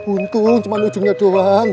untung cuma ujungnya doang